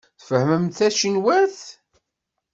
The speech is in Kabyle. Tfehhmemt tacinwat?